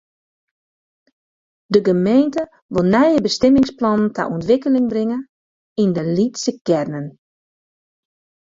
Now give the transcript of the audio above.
De gemeente wol nije bestimmingsplannen ta ûntwikkeling bringe yn de lytse kearnen.